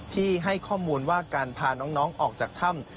ให้ข้อมูลว่าการพาน้องออกจากถ้ำ